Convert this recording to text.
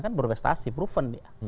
kan berprestasi proven dia